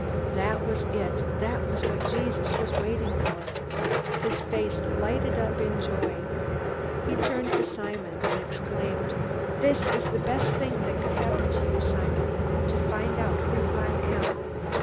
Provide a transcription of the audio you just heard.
That was it! That was what Jesus was waiting for! His face lighted up in joy. He turned to Simon, and exclaimed: "That is the best thing that could happen to you, Simon, to find out who I am!